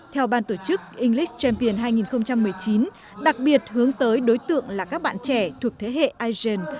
theo ban tổ chức english champion hai nghìn một mươi chín đặc biệt hướng tới đối tượng là các bạn trẻ thuộc thế hệ ison